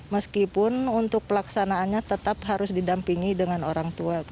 meskipun untuk pelaksanaannya tetap harus didampingi dengan orang tua